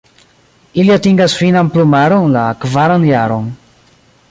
Ili atingas finan plumaron la kvaran jaron.